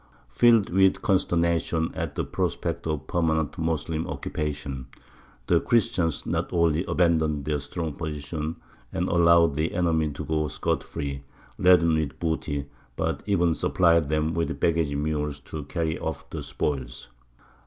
Filled with consternation at the prospect of a permanent Moslem occupation, the Christians not only abandoned their strong position and allowed the enemy to go scot free, laden with booty, but even supplied them with baggage mules to carry off the spoils!